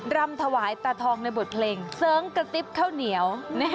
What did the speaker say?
รำถวายตาทองในบทเพลงเสริงกระติ๊บข้าวเหนียว